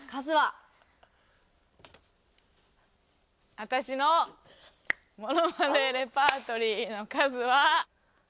私のモノマネレパートリーの数は。